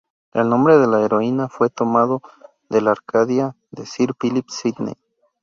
El nombre de la heroína fue tomado de la "Arcadia" de Sir Philip Sidney.